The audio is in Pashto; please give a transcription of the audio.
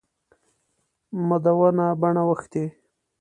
مدونه بڼه وښتي.